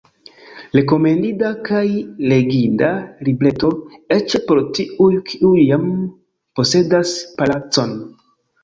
Rekomendinda kaj leginda libreto, eĉ por tiuj, kiuj jam posedas palacon!